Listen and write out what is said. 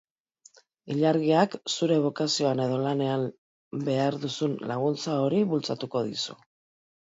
Ilargiak zure bokazioan edo lanean behar duzun laguntza hori bultzatuko dizu.